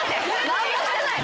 何もしてない。